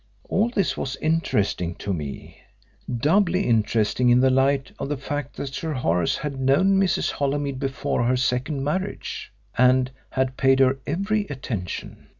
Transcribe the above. All this was interesting to me doubly interesting in the light of the fact that Sir Horace had known Mrs. Holymead before her second marriage, and had paid her every attention.